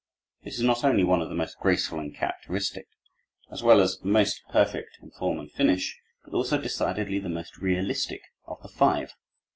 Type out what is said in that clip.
This is not only one of the most graceful and characteristic, as well as most perfect in form and finish, but also decidedly the most realistic of the five.